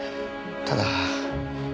ただ。